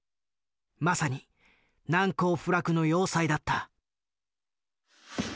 まさに難攻不落の要塞だった。